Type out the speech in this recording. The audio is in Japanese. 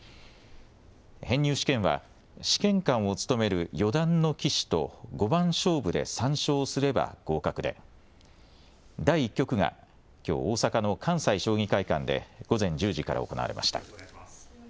編入試験は試験官を務める四段の棋士と五番勝負で３勝すれば合格で第１局がきょう大阪の関西将棋会館で午前１０時から行われました。